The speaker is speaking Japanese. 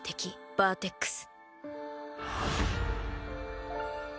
バーテックス